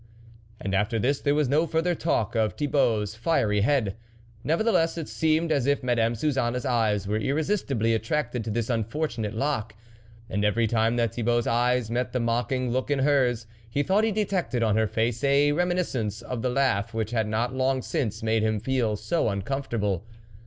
And after this there was no further talk of Thibault's fiery head. Nevertheless, it seemed as if Madame Suzanne's eyes were irresistibly attracted to this unfortunate lock, and every time that Thibault's eyes met the mocking look in hers, he thought he detected on her face a reminiscence of the laugh which had not long since made him feel so uncomfortable.